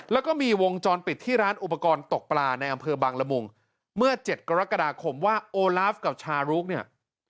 แล้วก็มีวงจรปิดที่ร้านอุปกรณ์ตกปลาในอำเภอบางละมุงเมื่อ๗กรกฎาคมว่าโอลาฟกับชารุกเนี่ย